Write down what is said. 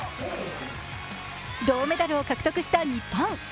銅メダルを獲得した日本。